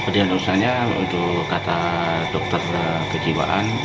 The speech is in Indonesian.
diak dosanya untuk kata dokter kejiwaan